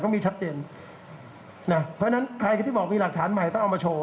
มีชัดเจนนะเพราะฉะนั้นใครที่บอกมีหลักฐานใหม่ต้องเอามาโชว์